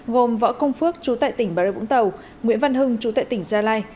gồm võ công phước chú tại tỉnh bà rê vũng tàu nguyễn văn hưng chú tại tỉnh gia lai